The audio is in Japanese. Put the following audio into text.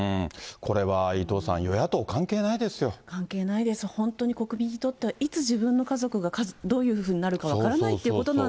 これは伊藤さん、関係ないです、本当に国民にとっては、いつ自分の家族がどういうふうになるか分からないっていうことな